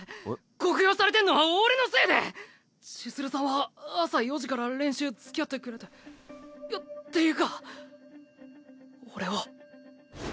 酷評されてんのは俺のせいで千鶴さんは朝４時から練習つきあってくれていやっていうか。